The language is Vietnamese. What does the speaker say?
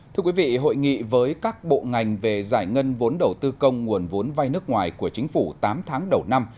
thưa quý vị hội nghị với các bộ ngành về giải ngân vốn đầu tư công nguồn vốn vai nước ngoài của chính phủ tám tháng đầu năm